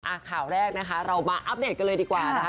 ข่าวแรกนะคะเรามาอัปเดตกันเลยดีกว่านะคะ